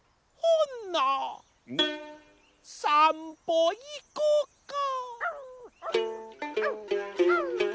「ほなさんぽいこか」